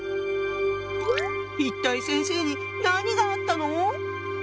一体先生に何があったの？